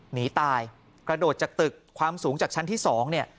หนีตายกระโดดจากตึกความสูงจากชั้นที่๒